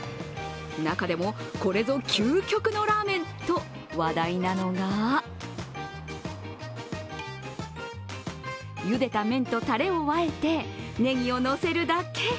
中でも、これぞ究極のラーメンと話題なのがゆでた麺とたれをあえてねぎをのせるだけ。